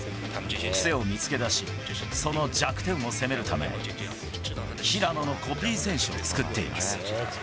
癖を見つけ出し、その弱点を攻めるため、平野のコピー選手を作っています。